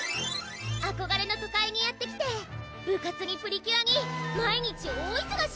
あこがれの都会にやって来て部活にプリキュアに毎日大いそがし！